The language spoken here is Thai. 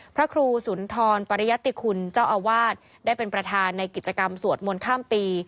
พระครูสุนทรปริยติคุณเจ้าอาวาสได้เป็นประธานในกิจกรรมสวดมนต์ข้ามปี